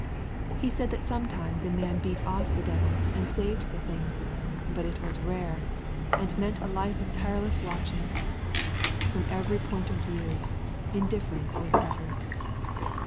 He said that sometimes a man beat off the devils and saved the thing, but it was rare, and meant a life of tireless watching. From every point of view, indifference was better.